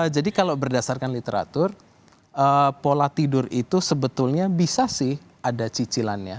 jadi kalau berdasarkan literatur pola tidur itu sebetulnya bisa sih ada cicilannya